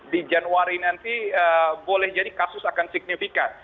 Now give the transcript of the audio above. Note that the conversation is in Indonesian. di januari nanti boleh jadi kasus akan signifikan